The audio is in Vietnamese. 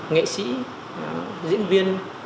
nghệ sĩ diễn viên